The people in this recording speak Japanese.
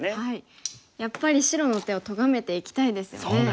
やっぱり白の手をとがめていきたいですよね。